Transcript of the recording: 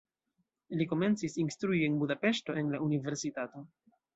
Li komencis instrui en Budapeŝto en la universitato.